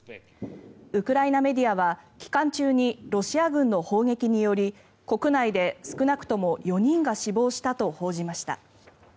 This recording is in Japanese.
ウクライナメディアは期間中にロシア軍の砲撃により国内で少なくとも４人が死亡したと報じました。